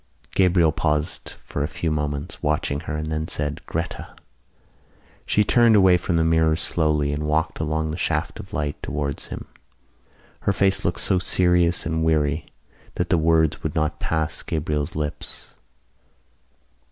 Gabriel paused for a few moments, watching her, and then said: "Gretta!" She turned away from the mirror slowly and walked along the shaft of light towards him. Her face looked so serious and weary that the words would not pass Gabriel's lips.